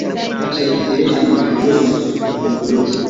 kati ya Uingereza na walowezi wa makoloni